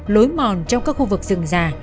lối mòn trong các khu vực rừng già